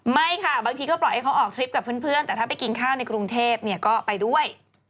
ไม่ค่ะบางทีก็ปล่อยให้เขาออกทริปกับเพื่อนแต่ถ้าไปกินข้าวในกรุงเทพก็ไปด้วย